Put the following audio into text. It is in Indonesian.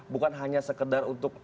bukan hanya sekedar untuk